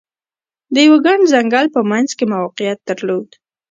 د یوه ګڼ ځنګل په منځ کې موقعیت درلود.